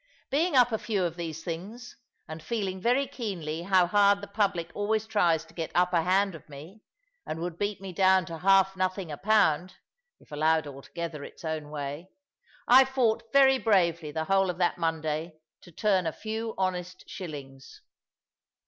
Being up to a few of these things, and feeling very keenly how hard the public always tries to get upper hand of me, and would beat me down to half nothing a pound (if allowed altogether its own way), I fought very bravely the whole of that Monday to turn a few honest shillings.